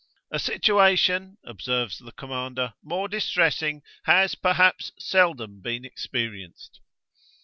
'A situation,' observes the commander, 'more distressing has, perhaps, seldom been experienced.'